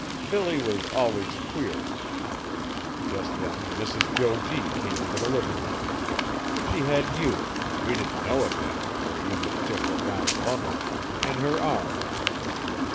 Billy was always queer. Just then Mrs. Jo G. came int' the living room. She had you we didn't know it then, fur ye was just a round bundle in her arms.